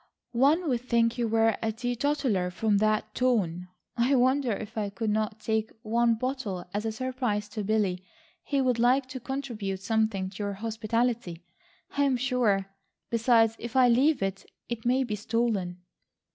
"One would think you were a teetotaller from that tone. I wonder if I could not take one bottle as a surprise to Billy. He would like to contribute something to your hospitality, I am sure. Besides, if I leave it, it may be stolen."